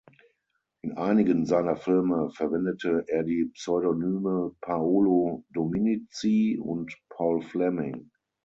In einigen seiner Filme verwendete er die Pseudonyme "Paolo Dominici" und "Paul Fleming".